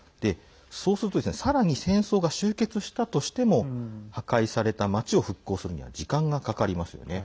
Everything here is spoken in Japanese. そうするとさらに戦争が終結したとしても破壊された街を復興するには時間がかかりますよね。